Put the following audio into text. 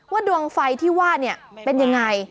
ว่าดวงไฟที่วาดนี่เป็นอย่างไร